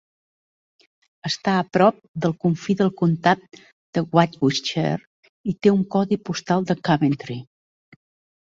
Està a prop del confí del comtat de Warwickshire i té un codi postal de Coventry.